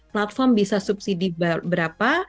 platform bisa subsidi berapa